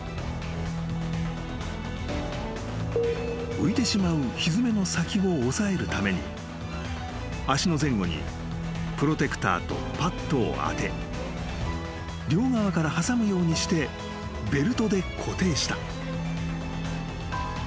［浮いてしまうひづめの先を押さえるために脚の前後にプロテクターとパットを当て両側から挟むようにしてベルトで固定した］